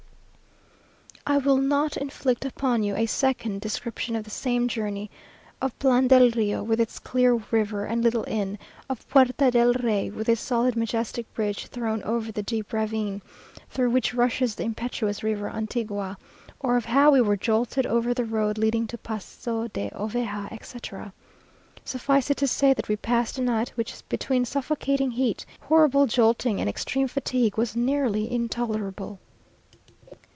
I will not inflict upon you a second description of the same journey; of Plan del Rio, with its clear river and little inn of Puerto del Rey, with its solid majestic bridge thrown over the deep ravine, through which rushes the impetuous river Antigua or of how we were jolted over the road leading to Paso de Oveja, etc. Suffice it to say, that we passed a night, which between suffocating heat, horrible jolting, and extreme fatigue, was nearly intolerable.